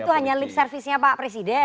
jadi itu hanya lip service nya pak presiden